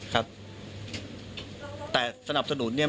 ครับแต่สนับสนุนเนี่ย